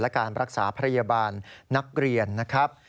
และการรักษาพยาบาลนักเรียนนะครับ